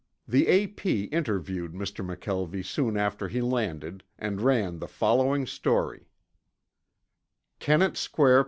The A.P. interviewed Mr. McKelvie soon after he landed, and ran the following story: "Kennett Square, Pa.